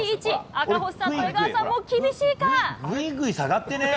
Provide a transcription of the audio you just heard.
赤星さんと江川さんも厳しいか。